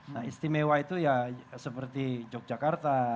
nah istimewa itu ya seperti yogyakarta